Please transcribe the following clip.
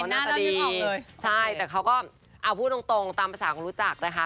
หน้าตาดีใช่แต่เขาก็เอาพูดตรงตามภาษาคนรู้จักนะคะ